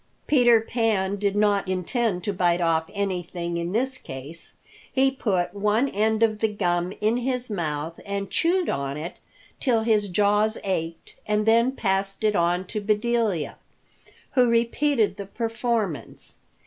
Peter Pan did not intend to bite off anything in this case. He put one end of the gum in his mouth and chewed on it till his jaws ached, and then passed it on to Bedelia, who repeated the performance.